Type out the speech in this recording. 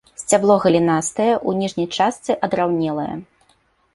Сцябло галінастае, у ніжняй частцы адраўнелае.